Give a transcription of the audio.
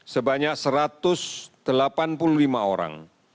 sebanyak satu ratus delapan puluh lima orang